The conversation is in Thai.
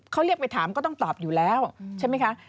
เขาเรียกไปถามก็ต้องตอบอยู่แล้วใช่ไหมคะ